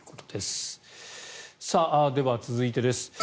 では続いてです。